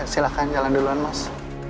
silahkan jalan duluan mas